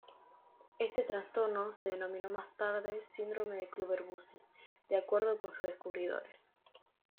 Este trastorno se denominó más tarde síndrome de Klüver-Bucy, de acuerdo con sus descubridores.